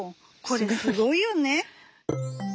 これすごいよね。